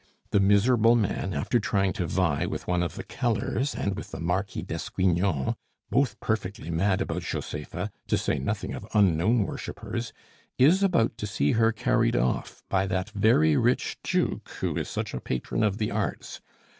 The miserable man, after trying to vie with one of the Kellers and with the Marquis d'Esgrignon, both perfectly mad about Josepha, to say nothing of unknown worshipers, is about to see her carried off by that very rich Duke, who is such a patron of the arts.